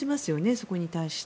そこに対して。